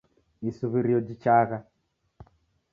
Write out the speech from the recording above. Isuw'irio jichagha.